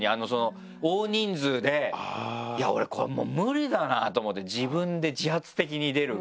大人数で俺これもう無理だなと思って自分で「自発的に出る」が。